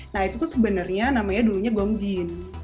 nah itu tuh sebenarnya namanya dulunya gong jin